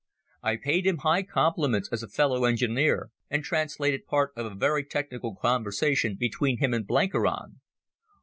I paid him high compliments as a fellow engineer, and translated part of a very technical conversation between him and Blenkiron.